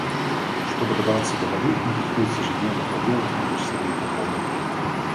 Чтобы добраться до воды, им приходится ежедневно проделывать многочасовые походы.